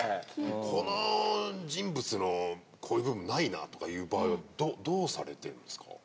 この人物のこういう部分ないなとかいう場面どうされてるんですか？